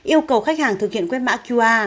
yêu cầu khách hàng thực hiện quét mã qr